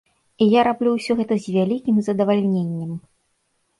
І я раблю ўсё гэта з вялікім задавальненнем.